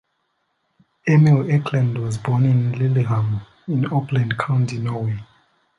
Emil Ecklund was born in Lillehammer in Oppland county, Norway.